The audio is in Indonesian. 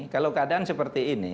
kalau keadaan seperti ini